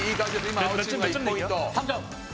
今青チームが１ポイント。